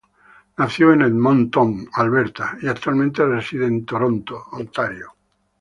Nació en Edmonton, Alberta y actualmente reside en Toronto, Ontario.